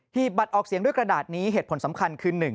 ีบบัตรออกเสียงด้วยกระดาษนี้เหตุผลสำคัญคือ